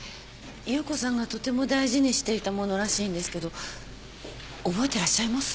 夕子さんがとても大事にしていたものらしいんですけど覚えてらっしゃいます？